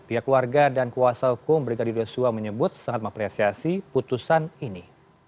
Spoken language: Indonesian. pihak keluarga dan kuasa hukum brigadir yosua menyebut sangat mengapresiasi putusan ini